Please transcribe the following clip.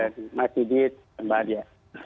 terima kasih mbak didi dan mbak adia